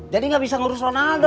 jadi gak bisa ngurus ronaldo